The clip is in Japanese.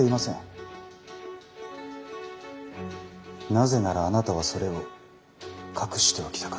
なぜならあなたはそれを隠しておきたかった。